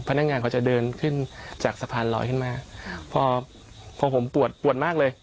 พนักงานเขาจะเดินขึ้นจากสะพานลอยขึ้นมาพอพอผมปวดปวดมากเลย